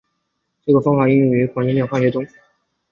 这个方法广泛用于甾类化学中。